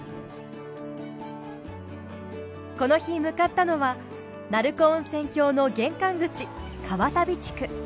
この日向かったのは鳴子温泉郷の玄関口川渡地区。